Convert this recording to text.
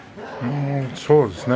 そうですね。